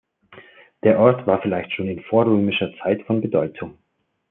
Der Ort war vielleicht schon in vorrömischer Zeit von Bedeutung.